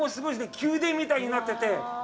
宮殿みたいになってて。